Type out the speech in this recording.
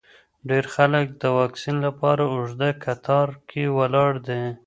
ډېر خلک د واکسین لپاره اوږده کتار کې ولاړ دي.